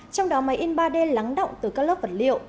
trong đó máy in ba d lắng động từ các lớp vật liệu